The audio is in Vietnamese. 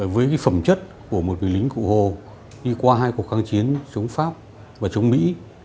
với phẩm chất của một người lính cụ hồ đi qua hai cuộc kháng chiến chống pháp và chống mỹ